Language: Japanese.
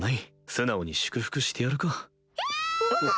素直に祝福してやるか。